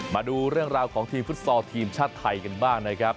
มาดูเรื่องราวของทีมฟุตซอลทีมชาติไทยกันบ้างนะครับ